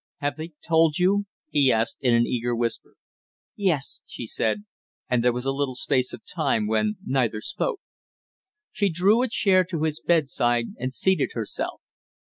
"Have they told you?" he asked in an eager whisper. "Yes," she said, and there was a little space of time when neither spoke. She drew a chair to his bedside and seated herself.